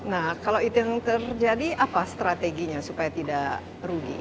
nah kalau itu yang terjadi apa strateginya supaya tidak rugi